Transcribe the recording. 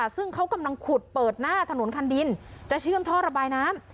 ซึ่งเขากำลังขุดเปิดหน้าถนนคันดินจะเชื่อมท่อระบายน้ำ